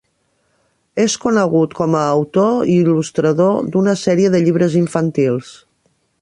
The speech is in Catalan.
És conegut com a autor i il·lustrador d'una sèrie de llibres infantils.